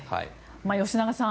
吉永さん